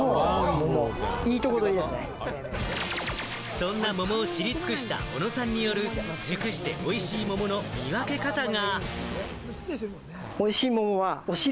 そんな桃を知り尽くした小野さんによる熟して美味しい桃の見分け方が。